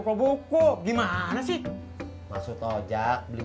tukang tukang boborjak dikolong